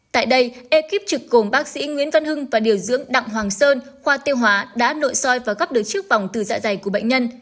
tại đây ekip trực gồm bác sĩ nguyễn văn hưng và điều dưỡng đặng hoàng sơn khoa tiêu hóa đã nội soi và gấp được chiếc vòng từ dạ dày của bệnh nhân